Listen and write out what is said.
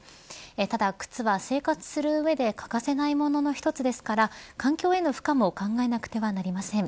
ただ靴は、生活する上で欠かせないものの１つですから環境への負荷も考えなくてはなりません。